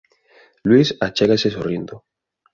Luís achégase sorrindo.